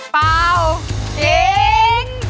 เปล่ายิง